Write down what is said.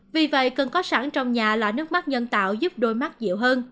vì vậy cần có sẵn trong nhà là nước mắt nhân tạo giúp đôi mắt dịu hơn